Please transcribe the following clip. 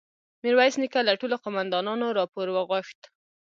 ميرويس نيکه له ټولو قوماندانانو راپور وغوښت.